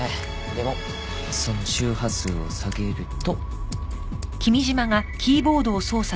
でもその周波数を下げると。